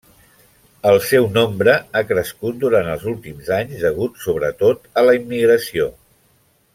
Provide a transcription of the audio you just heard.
El seu nombre ha crescut durant els últims anys degut sobretot a la immigració.